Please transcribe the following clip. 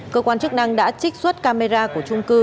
cơ quan chức năng đã trích xuất camera của trung cư